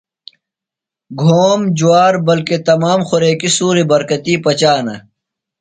گھوم، جُوار بلکہ تمام خوریکیۡ سُوری برکتی پچانہ۔